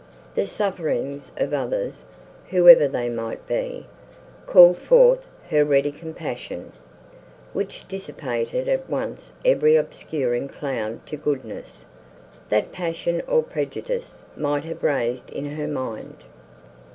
The sufferings of others, whoever they might be, called forth her ready compassion, which dissipated at once every obscuring cloud to goodness, that passion or prejudice might have raised in her mind.